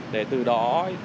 để từ đó